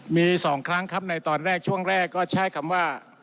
มี๒ครั้งครับในตอนแรกช่วงแรกก็ใช้คำว่า